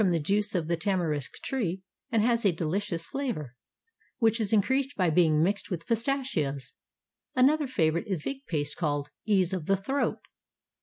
437 PERSIA the juice of the tamarisk tree and has a delicious flavor, which is increased by being mixed with pistachios. Another favorite is fig paste, called " ease of the throat."